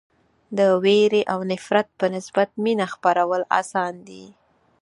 د وېرې او نفرت په نسبت مینه خپرول اسان دي.